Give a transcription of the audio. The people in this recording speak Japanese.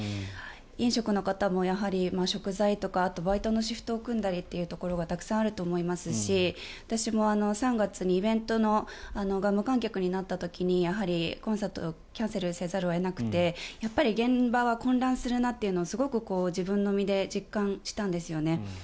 飲食の方もやはり食材とかバイトのシフトを組んだりというところがたくさんあると思いますし私も３月にイベントが無観客になった時にやはりコンサートキャンセルをせざるを得なくてやっぱり現場は混乱するなというのをすごく自分の身で実感したんですよね。